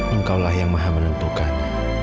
engkau lah yang maha menentukan